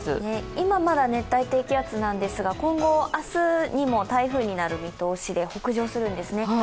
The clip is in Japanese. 今まだ熱帯低気圧なんですが今後明日にも台風になる見通しで北上するんですね。